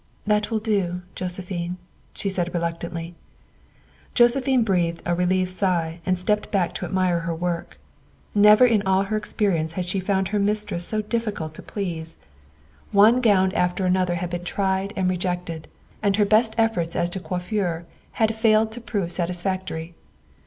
" That will do, Josephine," she said reluctantly . Josephine breathed a relieved sigh and stepped back to admire her work. Never in all her experience had she found her mistress so difficult to please. One gown THE SECRETARY OF STATE 235 after another had been tried and rejected, and her best efforts as to coiffure had failed to prove satisfactory.